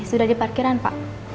sudah di parkiran pak